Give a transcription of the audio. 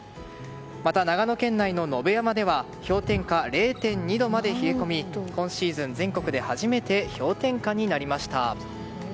もた、長野県内の野辺山では氷点下０．２度まで冷え込み今シーズン全国で初めて氷点下になりました。